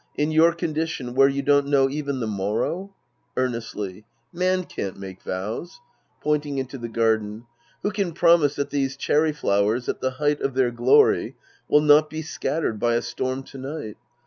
In your condition, where you don't know even the morrow ! (Earnestly^ Man can't make vows. {Pointing into the gai'dcn.) Who can promise that these cherry flowers at the height of their glory will not be scattered by a storm to night